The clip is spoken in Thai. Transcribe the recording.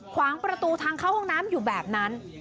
ขวางประตูทางเข้าห้องน้ำอยู่แบบนั้น